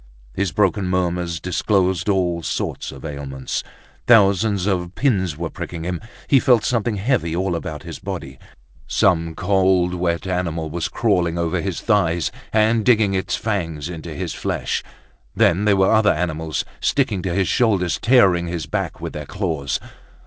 His broken murmurs disclosed all sorts of ailments. Thousands of pins were pricking him. He felt something heavy all about his body; some cold, wet animal was crawling over his thighs and digging its fangs into his flesh. Then there were other animals sticking to his shoulders, tearing his back with their claws.